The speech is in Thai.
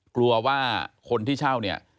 กลัวว่าคนที่เช่าเนี่ย